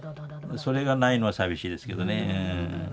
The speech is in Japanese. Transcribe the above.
それがないのは寂しいですけどね。